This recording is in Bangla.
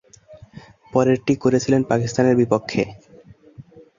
পরেরটি করেছিলেন পাকিস্তানের বিপক্ষে।